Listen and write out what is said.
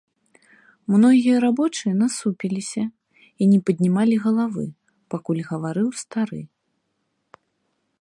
Многія рабочыя насупіліся і не паднімалі галавы, пакуль гаварыў стары.